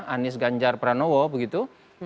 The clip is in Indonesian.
anis ganjar pranowo begitu